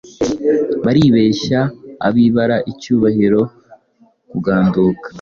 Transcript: Baribehya abibara icyubahiro kuganduka